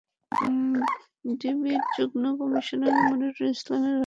ডিবির যুগ্ম কমিশনার মনিরুল ইসলামের ভাষ্য, সম্প্রতি মোহাইমিনুল অনলাইনে মুঠোফোন বিক্রির বিজ্ঞাপন দেন।